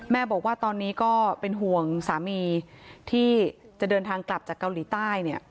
บอกว่าตอนนี้ก็เป็นห่วงสามีที่จะเดินทางกลับจากเกาหลีใต้เนี่ย